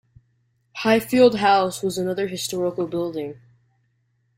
Highfield House was another historical building.